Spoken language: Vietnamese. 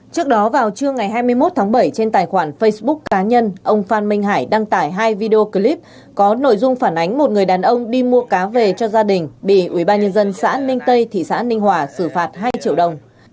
trước đó vào trưa ngày hai mươi một tháng bảy trên tài khoản facebook cá nhân ông phan minh hải đăng tải hai video clip có nội dung phản ánh một người đàn ông đi mua cá về cho gia đình bị ubnd xã ninh tây thị xã ninh hòa xử phạt hai triệu đồng